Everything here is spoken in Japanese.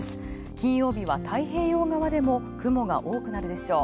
金曜日は太平洋側でも雲が多くなるでしょう。